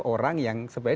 orang yang sebenarnya